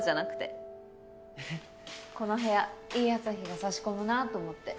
この部屋いい朝日が差し込むなと思って。